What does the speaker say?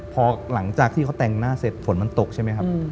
พอหลังจากที่เขาแต่งหน้าเสร็จฝนมันตกใช่ไหมครับ